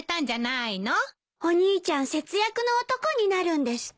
お兄ちゃん節約の男になるんですって。